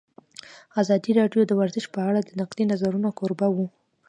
ازادي راډیو د ورزش په اړه د نقدي نظرونو کوربه وه.